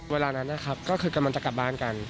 เวลานั้นนะครับก็คือกำลังจะกลับบ้านกัน